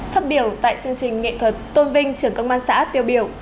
phát biểu tại chương trình nghệ thuật tôn vinh trưởng công an xã tiêu biểu